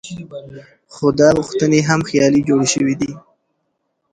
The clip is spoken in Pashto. خو دا غوښتنې هم خیالي جوړې شوې دي.